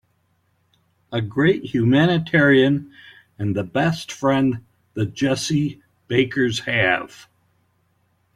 A great humanitarian and the best friend the Jessie Bakers have.